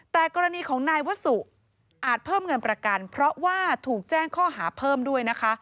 แต่กรณีของนายวสุอาจเพิ่มเงินประกันเพราะว่าถูกแจ้งข้อหาเพิ่มด้วยนะคะ